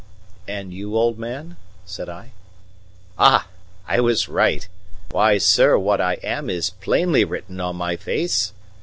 "And you, old man?" said I. "Ah, I was right! Why sir what I am is plainly written on my face.